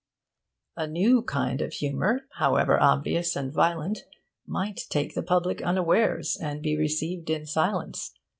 A new kind of humour, however obvious and violent, might take the public unawares, and be received in silence.